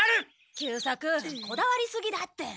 久作こだわりすぎだって。